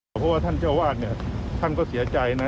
เพราะว่าท่านเจ้าวาดเนี่ยท่านก็เสียใจนะ